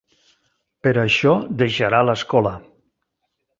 Per això deixarà l'escola.